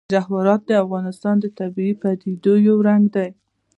جواهرات د افغانستان د طبیعي پدیدو یو رنګ دی.